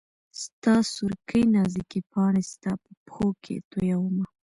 ستا سورکۍ نازکي پاڼي ستا په پښو کي تویومه